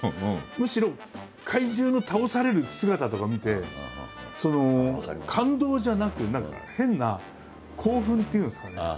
むしろ怪獣の倒される姿とか見て感動じゃなく何か変な興奮っていうんですかね。